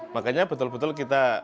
makanya betul betul kita